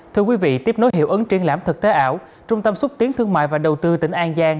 thưa quý vị tiếp nối hiệu ứng triển lãm thực tế ảo trung tâm xúc tiến thương mại và đầu tư tỉnh an giang